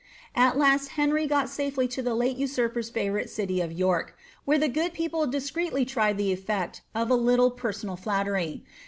At last Henry got safely to the late usurper's fitvouril city of York, where the good people discreetly tried the efiect of a litt] personal flattery.